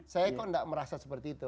saya kok tidak merasa seperti itu